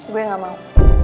gue gak mau